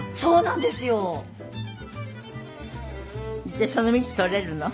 でその蜜とれるの？